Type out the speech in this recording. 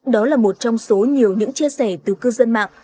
đó là một trong số nhiều những chia sẻ từ cư dân mạng